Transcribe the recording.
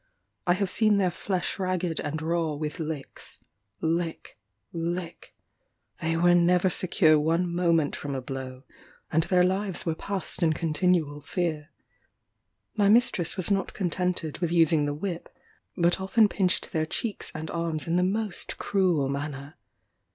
I have seen their flesh ragged and raw with licks. Lick lick they were never secure one moment from a blow, and their lives were passed in continual fear. My mistress was not contented with using the whip, but often pinched their cheeks and arms in the most cruel manner.